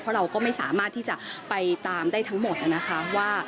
เพราะเราก็ไม่สามารถที่จะไปตามได้ทั้งหมดนะคะว่า